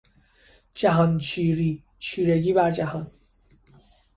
جهان چیری، چیرگی بر جهان